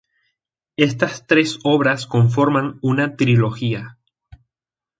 Estas tres obras conforman una trilogía.